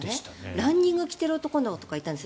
ランニングを着てる男の子とかいたんですよ。